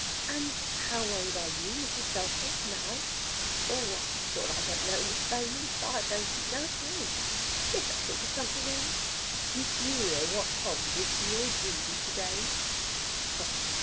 "And how old are you, Mrs. Shelfer, now?" "Oh I am sure I don't know, Miss Valence, I don't keep no account. Let us talk of something else. Did you hear what Tom did to your Judy to day?"